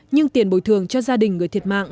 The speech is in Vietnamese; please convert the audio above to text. nhưng tiền bồi thường cho gia đình người thiệt mạng